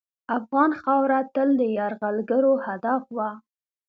افغان خاوره تل د یرغلګرو هدف وه.